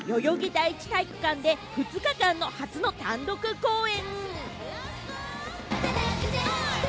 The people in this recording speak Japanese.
第一体育館で２日間の初の単独公演。